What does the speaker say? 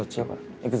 行くぞ。